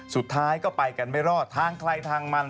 สุดท้ายก็ไปกันไม่รอดทางใครทางมัน